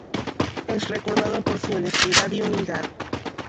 Es recordado por su honestidad y humildad.